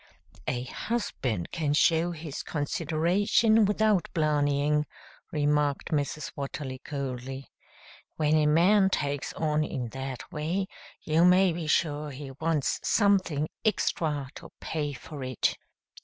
"A husband can show his consideration without blarneying," remarked Mrs. Watterly coldly. "When a man takes on in that way, you may be sure he wants something extra to pay for it."